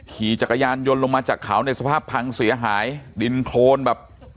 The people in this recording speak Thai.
ขี่จักรยานยนต์ลงมาจากเขาในสภาพพังเสียหายดินโครนแบบ